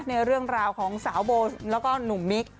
ในเรื่องราวของสาวโบสแล้วก็หนุ่มมิก